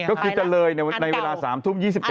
ก็คือจะเลยในเวลา๓ทุ่ม๒๑